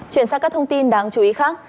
chuyển sang các thông tin đáng chú ý khác